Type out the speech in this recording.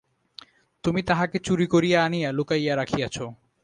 তুমি তাহাকে চুরি করিয়া আনিয়া লুকাইয়া রাখিয়াছ।